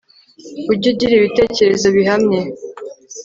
ujye ugira ibitekerezo bihamye